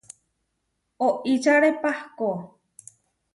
Oičare pahkó.